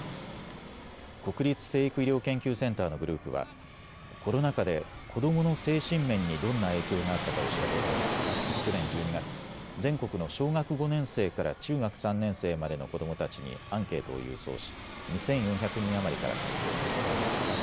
国立成育医療研究センターのグループはコロナ禍で子どもの精神面にどんな影響があったかを調べるため去年１２月、全国の小学５年生から中学３年生までの子どもたちにアンケートを郵送し２４００人余りから回答を得ました。